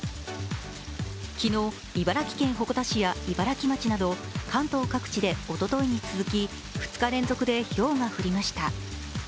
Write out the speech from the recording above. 昨日、茨城県鉾田市や茨城町など、関東各地でおとといに続き、２日連続でひょうが降りました。